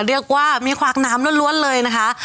เรียกว่ามีขวากน้ำล้วนเลยนะคะ